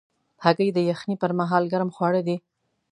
هګۍ د یخنۍ پر مهال ګرم خواړه دي.